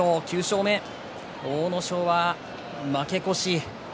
阿武咲は負け越し。